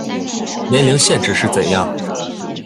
年龄限制是怎样